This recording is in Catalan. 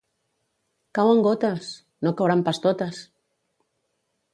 —Cauen gotes! — No cauran pas totes!